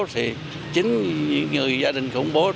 thì chính những người gia đình khủng bố